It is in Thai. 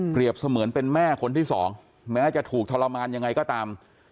เสมือนเป็นแม่คนที่สองแม้จะถูกทรมานยังไงก็ตาม